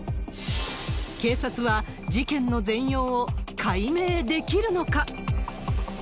警察は、事件の全容を解明できるのか。